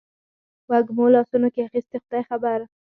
وږمو لاسونو کې اخیستي خدای خبر